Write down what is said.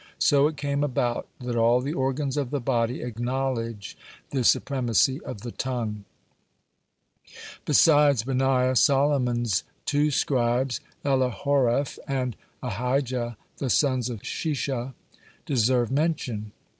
So it came about that all the organs of the body acknowledge the supremacy of the tongue. (97) Besides Benaiah, Solomon's two scribes, Elihoreph and Ahijah, the sons of Shisha, deserve mention.